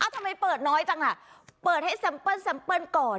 ทำไมเปิดน้อยจังล่ะเปิดให้แซมเปิลก่อน